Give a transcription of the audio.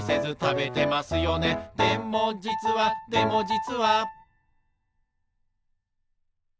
「でもじつはでもじつは」